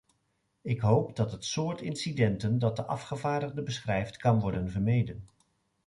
Ik hoop dat het soort incidenten dat de afgevaardigde beschrijft, kan worden vermeden.